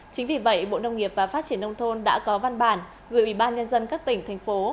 chính vì vậy bộ nông nghiệp và phát triển nông thôn đã có văn bản gửi ủy ban nhân dân các tỉnh thành phố